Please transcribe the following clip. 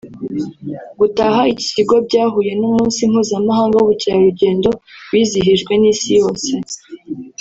Gutaha iki kigo byahuye n’Umunsi mpuzamahanga w’Ubukerarugendo wizihijwe n’Isi yose